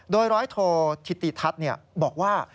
โดยร้อยโทธิติทัศน์บอกว่า